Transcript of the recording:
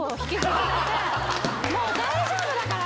もう大丈夫だから！